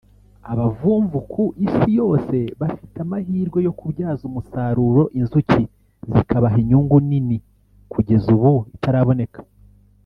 Abavumvu ku isi yose bafite amahirwe yo kubyaza umusaruro inzuki zikabaha inyungu nini kugeza ubu itaraboneka